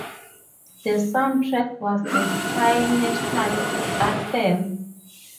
The soundtrack was the Thai national anthem.